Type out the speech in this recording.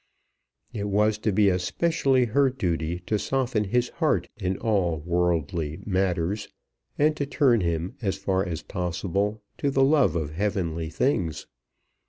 It was to be especially her duty to soften his heart in all worldly matters, and to turn him as far as possible to the love of heavenly things.